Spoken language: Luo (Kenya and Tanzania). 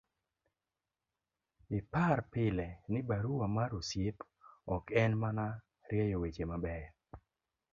ipar pile ni barua mar osiep ok en mana yiero weche mabeyo